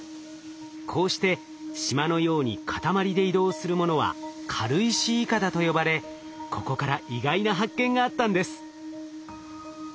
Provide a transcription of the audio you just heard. こうして島のように塊で移動するものは「軽石いかだ」と呼ばれここから意外な発見があったんです。